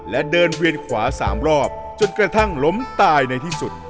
และเดินเวียนขวา๓รอบจนกระทั่งล้มตายในที่สุด